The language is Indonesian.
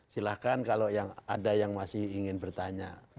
silahkan kalau ada yang masih ingin bertanya